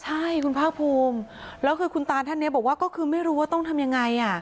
ใช่คุณภาคภูมิแล้วคือคุณตาท่านนี้บอกว่าก็คือไม่รู้ว่าต้องทำยังไง